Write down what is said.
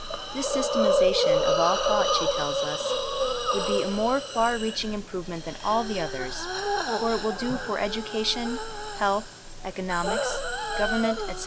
''*' This systematiza tion of all thought, she teUs us, would be a more far reaching improvement than all the others, for it will do for education, health, economics, government, etc.